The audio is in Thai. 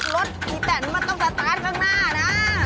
ตลอดคียงแต่ต้องสแตรร์ทข้างหน้านะ